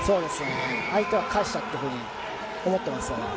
相手は返したというふうに思ってますね。